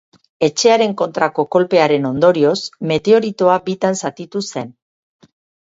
Etxearen kontrako kolpearen ondorioz, meteoritoa bitan zatitu zen.